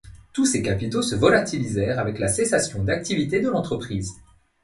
Tous ces capitaux se volatilisèrent avec la cessation d'activité de l'entreprise.